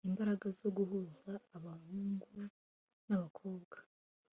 imbaraga zo guhuza abahungu nabakobwa